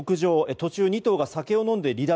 途中２頭が酒を飲んで離脱。